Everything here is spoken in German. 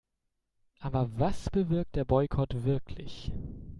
Aber was bewirkt der Boykott wirklich?